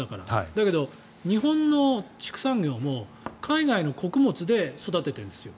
だけど、日本の畜産業も海外の穀物で育ててるんですよ。